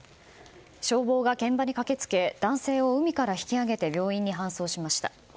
消防が現場に駆け付け男性を海から引き上げ病院に搬送しました。